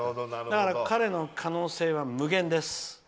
だから彼の可能性は無限です。